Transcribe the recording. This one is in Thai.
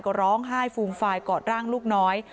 ก็ร้องไห้ฟูมฟายกอดร่างลูกน้อย